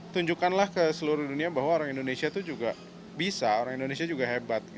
tunjukkanlah ke seluruh dunia bahwa orang indonesia itu juga bisa orang indonesia juga hebat